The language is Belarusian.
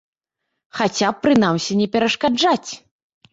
Хаця б, прынамсі, не перашкаджаць.